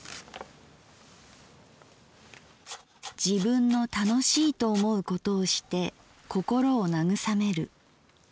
「自分の楽しいと思うことをして心を慰める。